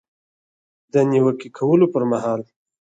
د نیوکې کولو پر مهال